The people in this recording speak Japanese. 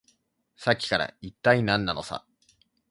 さっきから、いったい何なのさ。